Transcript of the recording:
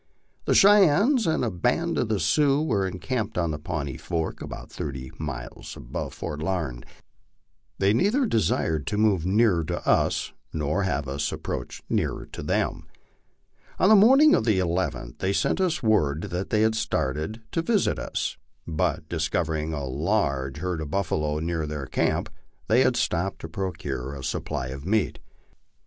The Cheyennes and a band of the Sioux were encamped on Pawnee Fork, about thirty miles above Fort Larned. They neilher desired to move nearer to us nor have us approach nearer to them. On the morning of the llth they sent us word that they had started to visit us, but discovering a large herd of buffalo near their camp, they had stopped to procure a supply of meat.